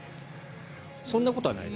そんなことはない？